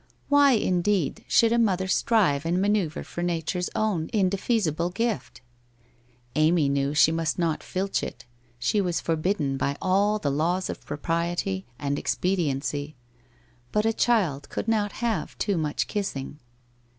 Why, indeed, should a mother strive and manoeuvre for nature's own indefeasible gift? Amy knew she must not filch it; she was forbidden by all the laws of propriety and expe diency. But a child could not have too much kissing.